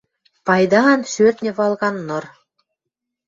Пайдаан шӧртньӹ валган ныр.